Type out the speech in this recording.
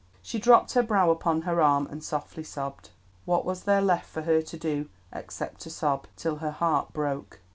She dropped her brow upon her arm and softly sobbed. What was there left for her to do except to sob—till her heart broke?